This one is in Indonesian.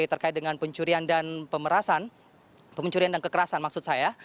terkait dengan pencurian dan pemerasan pencurian dan kekerasan maksud saya